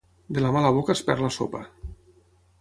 De la mà a la boca es perd la sopa.